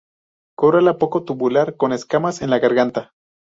Corola poco tubular, con escamas en la garganta.